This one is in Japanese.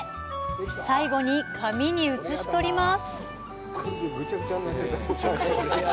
最後に紙に写し取ります。